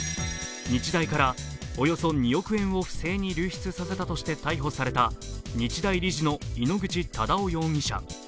日大からおよそ２億円を不正に流出させたとして逮捕された日大理事の井ノ口忠男容疑者。